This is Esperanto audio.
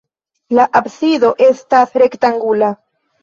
La absido estas rektangula.